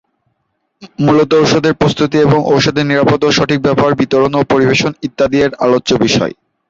মূলত ঔষধের প্রস্তুতি এবং ঔষধের নিরাপদ ও সঠিক ব্যবহার, বিতরণ ও পরিবেশন, ইত্যাদি এর আলোচ্য বিষয়।